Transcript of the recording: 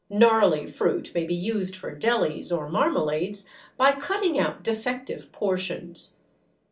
Gnarly fruit may be used for jellies or marmalades by cutting out defective portions.